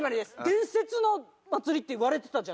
「伝説の祭り」って言われてたじゃないですか。